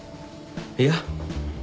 いや。